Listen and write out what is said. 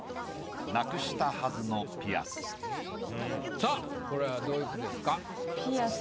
さぁこれはどういう句ですか？